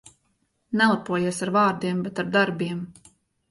Nelepojies ar vārdiem, bet ar darbiem.